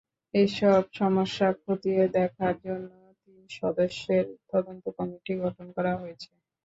এসব সমস্যা খতিয়ে দেখার জন্য তিন সদস্যের তদন্ত কমটি গঠন করা হয়েছে।